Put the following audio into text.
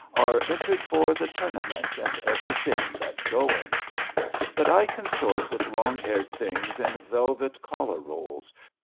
Are *^ entered for the Tournament, And everything that's going." But I consort with long haired things In velvet collar rolls.